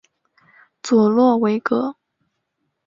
佐洛韦格。